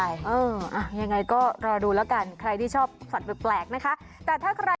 ยังไงก็รอดูแล้วกันใครที่ชอบสัตว์แปลกนะคะ